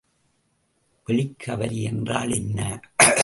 வெளிக்கவரி என்றால் என்ன?